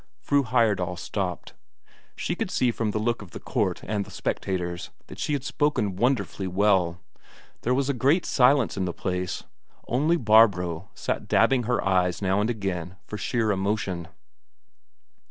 Fru Heyerdahl stopped. She could see from the look of the court and the spectators that she had spoken wonderfully well; there was a great silence in the place, only Barbro sat dabbing her eyes now and again for sheer emotion.